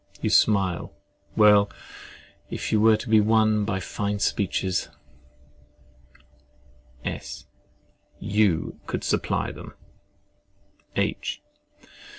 You smile—Well, if you were to be won by fine speeches— S. You could supply them! H.